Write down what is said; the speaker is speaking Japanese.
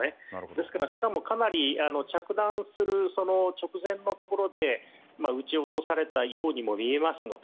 ですから、しかもかなり着弾する直前のところで撃ち落とされたようにも見えますので